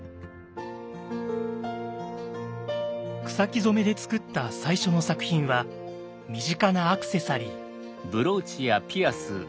草木染めで作った最初の作品は身近なアクセサリー。